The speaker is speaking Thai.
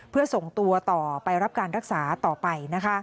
เพื่อส่งตัวต่อไปรับการรักษาต่อไป